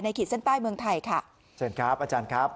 ขีดเส้นใต้เมืองไทยค่ะเชิญครับอาจารย์ครับ